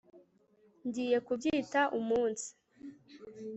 Ngiye kubyita umunsi